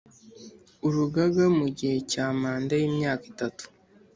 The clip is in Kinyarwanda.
Urugaga mu gihe cya manda y imyaka itatu